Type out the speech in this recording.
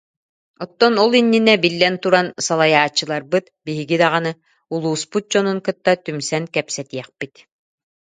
Оттон ол иннинэ, биллэн туран, салайааччыларбыт, биһиги даҕаны, улууспут дьонун кытта түмсэн кэпсэтиэхпит